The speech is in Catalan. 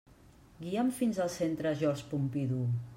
Guia'm fins al centre George Pompidou!